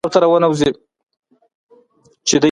پخه شپه ده.